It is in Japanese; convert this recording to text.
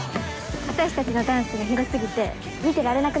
私たちのダンスがひど過ぎて見てられなくなった？